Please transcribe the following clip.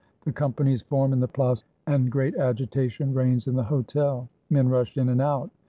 The companies form in the Place, and great agitation reigns in the Hotel. Men rush in and out.